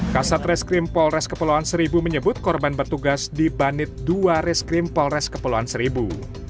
kasat reskrim polres kepulauan seribu menyebut korban bertugas di banit dua reskrim polres kepulauan seribu